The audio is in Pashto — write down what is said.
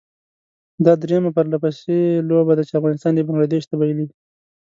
دا درېيمه پرلپسې لوبه ده چې افغانستان یې بنګله دېش ته بايلي.